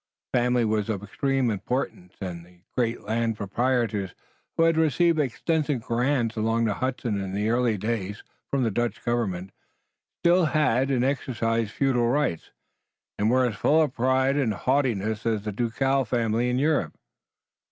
Family was of extreme importance, and the great landed proprietors who had received extensive grants along the Hudson in the earlier days from the Dutch Government, still had and exercised feudal rights, and were as full of pride and haughtiness as ducal families in Europe.